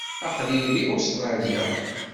Aql-iyi deg Ustṛalya.